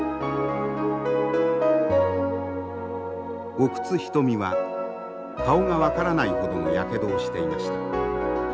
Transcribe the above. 奥津牟は顔が分からないほどのやけどをしていました。